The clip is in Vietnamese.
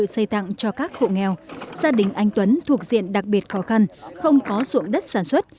xây tặng cho các hộ nghèo gia đình anh tuấn thuộc diện đặc biệt khó khăn không có ruộng đất sản xuất